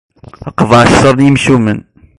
Qḍeɛ ccer n yimcumen.